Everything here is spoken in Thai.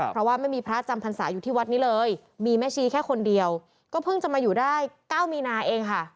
เพราะว่าไม่มีพระจำพรรษาอยู่ที่วัดนี้เลยมีแม่ชีแค่คนเดียวก็เพิ่งจะมาอยู่ได้๙มีนาเองค่ะ